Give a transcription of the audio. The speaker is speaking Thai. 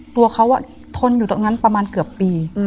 ตัวเขาทนอยู่ตรงนั้นประมาณเกือบปี